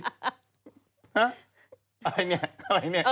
นะอะไรเนี่ย